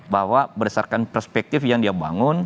bahwa berdasarkan perspektif yang dia bangun